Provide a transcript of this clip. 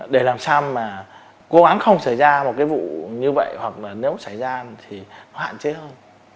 để làm sao mà cố gắng không xảy ra một cái vụ như vậy hoặc là nếu xảy ra thì hoạn chế hơn